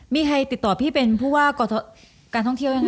มีใครติดต่อพี่เป็นผู้ว่าการท่องเที่ยวยังไง